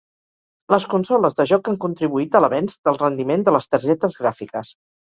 Les consoles de joc han contribuït a l'avenç del rendiment de les targetes gràfiques.